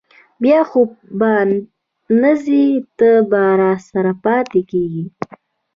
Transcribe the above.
بیا خو به نه ځې، تل به راسره پاتې کېږې؟